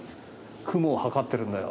「雲を測ってるんだよ」